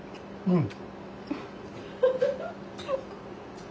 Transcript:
うん。